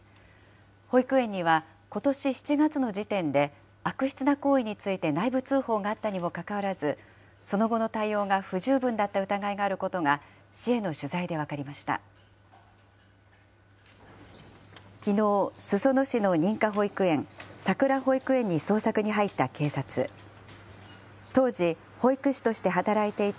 保育園にはことし７月の時点で、悪質な行為について内部通報があったにもかかわらず、その後の対応が不十分だった疑いがあることが市への取材で分かりました。